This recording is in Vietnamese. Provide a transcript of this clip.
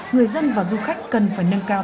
người dân và du khách cần phải nâng cao